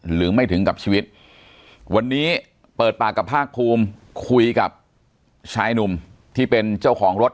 หรือไม่ถึงกับชีวิตวันนี้เปิดปากกับภาคภูมิคุยกับชายหนุ่มที่เป็นเจ้าของรถ